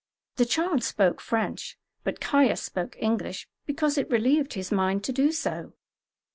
The child spoke French, but Caius spoke English because it relieved his mind to do so.